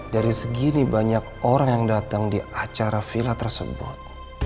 dari segini banyak orang yang datang di acara villa tersebut